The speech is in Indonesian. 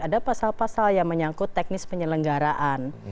ada pasal pasal yang menyangkut teknis penyelenggaraan